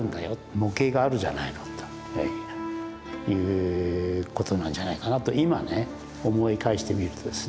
模型があるじゃないのということなんじゃないかなと今ね思い返してみるとですね。